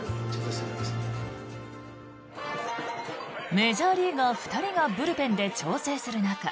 メジャーリーガー２人がブルペンで調整する中